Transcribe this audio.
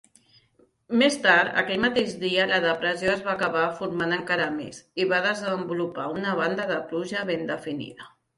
Més tard, aquell mateix dia, la depressió es va acabar formant encara més i va desenvolupar una banda de pluja ben definida.